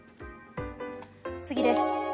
次です。